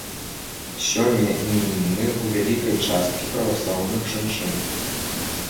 Сёння імяніны ў вялікай часткі праваслаўных жанчын.